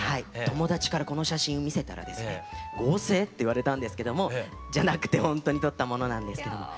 友達からこの写真見せたらですね合成？って言われたんですけどもじゃなくてほんとに撮ったものなんですけども。